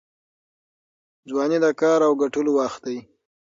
ځواني د کار او ګټلو وخت دی.